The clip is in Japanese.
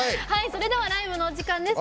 それではライブのお時間です。